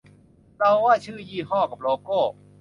เราว่าชื่อยี่ห้อ กะ โลโก้